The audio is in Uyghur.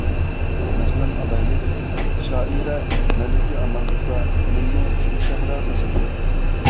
مەسىلەن ئالايلى: شائىرە مەلىكە ئاماننىسا خېنىممۇ سەھرا قىزى.